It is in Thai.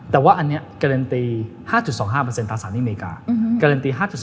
แต่ว่าอันนี้การันตี๕๒๕ตัดสารหน้าอเมริกา